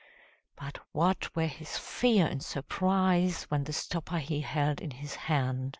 _] But what were his fear and surprise When the stopper he held in his hand!